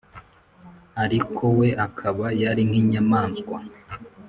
ariko we akaba yarinkinyamaswa